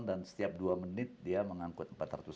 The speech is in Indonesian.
dan setiap dua menit dia mengangkut